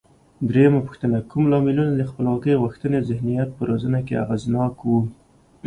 درېمه پوښتنه: کوم لاملونه د خپلواکۍ غوښتنې ذهنیت په روزنه کې اغېزناک و؟